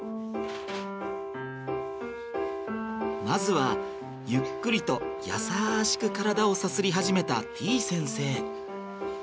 まずはゆっくりと優しく体をさすり始めたてぃ先生。